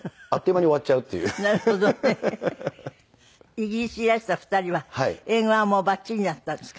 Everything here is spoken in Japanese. イギリスにいらした２人は英語はもうバッチリだったんですか？